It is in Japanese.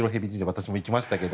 私も行きましたけど。